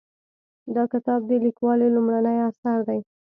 دا کتاب د لیکوالې لومړنی اثر دی